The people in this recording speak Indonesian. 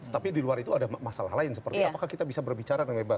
tapi di luar itu ada masalah lain seperti apakah kita bisa berbicara dengan bebas